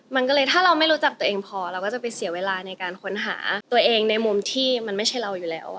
มันก็เลยถ้าเราไม่รู้จักตัวเองพอเราก็จะไปเสียเวลาในการค้นหาตัวเองในมุมที่มันไม่ใช่เราอยู่แล้ว